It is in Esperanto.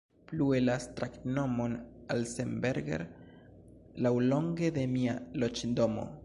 Plue, la stratnomon Alsenberger laŭlonge de mia loĝdomo.